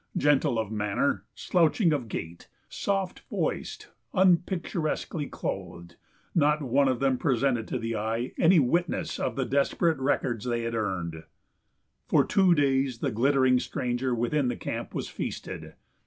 Gentle of manner, slouching of gait, soft voiced, unpicturesquely clothed; not one of them presented to the eye any witness of the desperate records they had earned. For two days the glittering stranger within the camp was feasted.